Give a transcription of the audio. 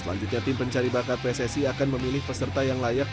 selanjutnya tim pencari bakat pssi akan memilih peserta yang layak